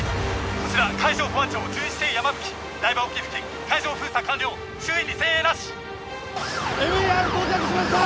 こちら海上保安庁巡視艇やまぶき台場沖付近海上封鎖完了周囲に船影なしＭＥＲ到着しました！